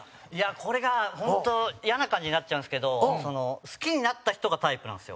これが、本当、イヤな感じになっちゃうんですけど好きになった人がタイプなんですよ。